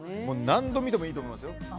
何度見てもいいと思いますよ。